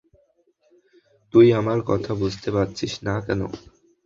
তুই আমার কথা বুঝতে পারছিস না কেন?